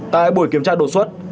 tại buổi kiểm tra đột xuất